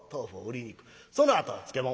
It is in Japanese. そのあとは漬物。